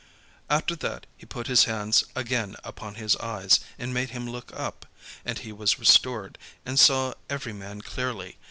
After that he put his hands again upon his eyes, and made him look up: and he was restored, and saw every man clearly.